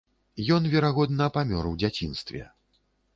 Ён верагодна, памёр у дзяцінстве.